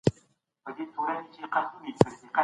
غازي امان الله خان د ښځو د بشري حقونو درناوی وکړ.